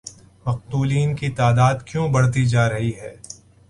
مقتولین کی تعداد کیوں بڑھتی جارہی ہے؟